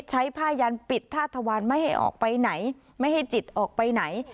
ใช้ผ้ายันปิดท่าทวารไม่ให้ออกไปไหนไม่ให้จิตออกไปไหน